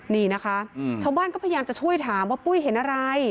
นี่นะคะชาวบ้านก็พยายามจะช่วยถามว่าปุ้ยเห็นอะไร